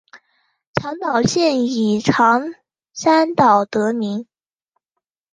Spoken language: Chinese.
长岛县以长山岛得名。